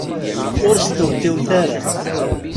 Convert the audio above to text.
Ur stewtiwet ara.